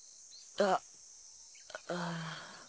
ああ。